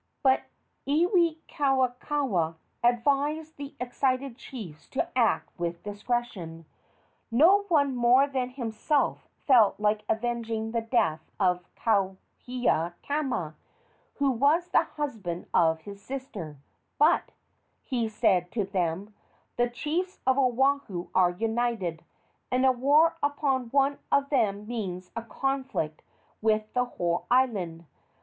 But Iwikauikaua advised the excited chiefs to act with discretion. No one more than himself felt like avenging the death of Kauhiakama, who was the husband of his sister; "but," he said to them, "the chiefs of Oahu are united, and a war upon one of them means a conflict with the whole island.